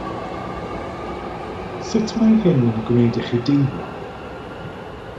Sut mae hyn yn gwneud i chi deimlo?